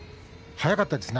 速かったですね。